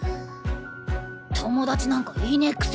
友達なんかいねえくせに。